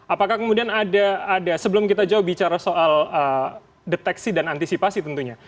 apakah kemudian ada sebelum kita jauh bicara soal deteksi dan antisipasi tentunya